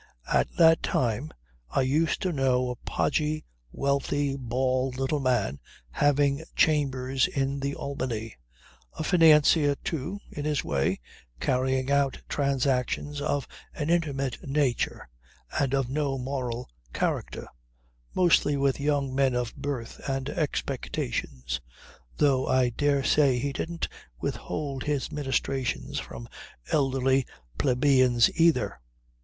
At that time I used to know a podgy, wealthy, bald little man having chambers in the Albany; a financier too, in his way, carrying out transactions of an intimate nature and of no moral character; mostly with young men of birth and expectations though I dare say he didn't withhold his ministrations from elderly plebeians either.